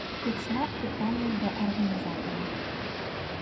Тут шмат пытанняў да арганізатараў.